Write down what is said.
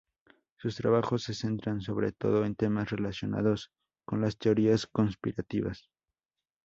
Sus trabajos se centran sobre todo en temas relacionados con las teorías conspirativas.